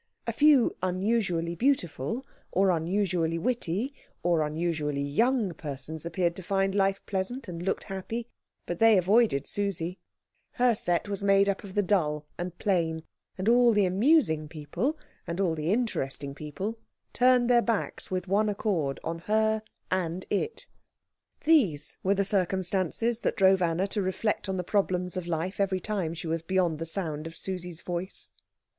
A few unusually beautiful, or unusually witty, or unusually young persons appeared to find life pleasant and looked happy, but they avoided Susie. Her set was made up of the dull and plain; and all the amusing people, and all the interesting people, turned their backs with one accord on her and it. These were the circumstances that drove Anna to reflect on the problems of life every time she was beyond the sound of Susie's voice.